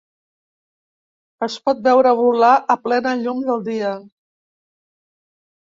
Es pot veure volar a plena llum del dia.